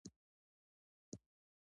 وچ توت د ژمي غوره خوراک دی.